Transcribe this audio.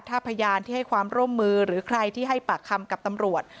ถ้าพยานที่ให้ความร่วมมือหรือใครที่ให้ปากคำกับตำรวจ